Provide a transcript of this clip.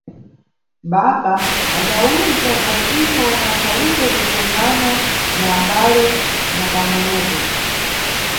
Baba – adawuza Vasquinho omwe akhalibe kutengana na abale na pangʼonopo.